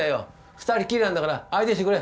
２人きりなんだから相手してくれ。